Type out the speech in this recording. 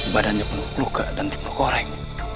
badannya penuh peluka dan timbul goreng